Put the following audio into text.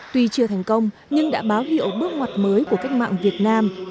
tuy chưa thành công nhưng đã báo hiệu bước ngoặt mới của cách mạng việt nam